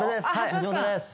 橋本です。